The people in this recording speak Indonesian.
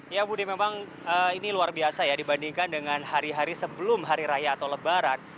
ya budi memang ini luar biasa ya dibandingkan dengan hari hari sebelum hari raya atau lebaran